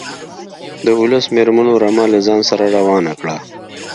د اوولس مېرمنو رمه له ځان سره روانه کړه.